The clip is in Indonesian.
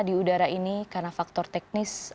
di udara ini karena faktor teknis